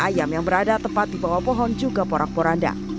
ayam yang berada tepat di bawah pohon juga porak poranda